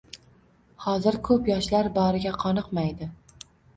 Hozir ko‘p yoshlar boriga qoniqmaydi.